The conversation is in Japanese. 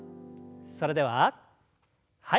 それでははい。